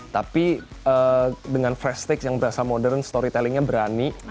tapi dengan fresh tax yang berasa modern storytellingnya berani